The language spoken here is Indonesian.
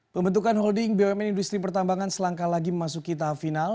pembentukan holding bumn industri pertambangan selangkah lagi memasuki tahap final